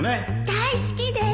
大好きです